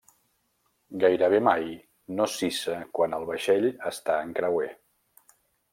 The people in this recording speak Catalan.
Gairebé mai no s'hissa quan el vaixell està en creuer.